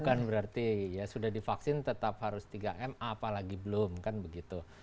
bukan berarti ya sudah divaksin tetap harus tiga m apalagi belum kan begitu